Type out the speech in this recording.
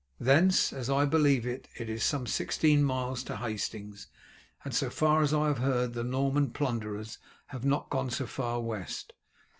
Thence, as I believe, it is some sixteen miles to Hastings, and so far as I have heard the Norman plunderers have not gone so far west.